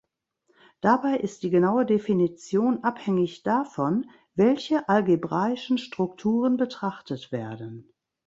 Dabei ist die genaue Definition abhängig davon, welche algebraischen Strukturen betrachtet werden.